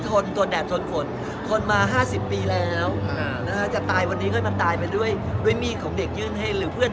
ผม๖๔ตอนดีต้อนคนมา๕๐ปีแล้วจะตายวันนี้ทำอย่างมันตายไปด้วยด้วยมีดของเด็กยื่นให้ขึ้น